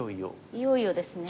いよいよですね。